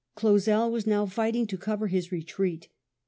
Clausel was now fighting to cover his retreat.